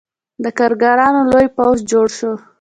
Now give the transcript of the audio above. د کارګرانو لوی پوځ جوړ شو.